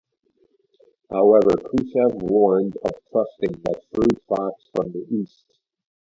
However, Khrushchev warned of trusting that shrewd fox from the east.